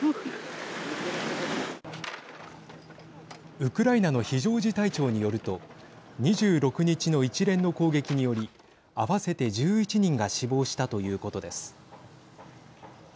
ウクライナの非常事態庁によると２６日の一連の攻撃により合わせて１１人が死亡したということです。